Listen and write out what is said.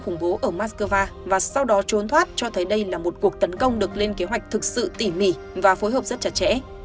khủng bố ở moscow và sau đó trốn thoát cho thấy đây là một cuộc tấn công được lên kế hoạch thực sự tỉ mỉ và phối hợp rất chặt chẽ